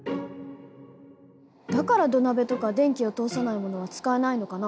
だから土鍋とか電気を通さないものは使えないのかな？